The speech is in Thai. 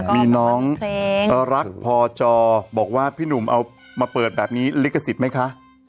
มีน้องรักพอจอบอกว่าพี่หนุ่มเอามาเปิดแบบนี้ลิขสิทธิ์ไหมคะ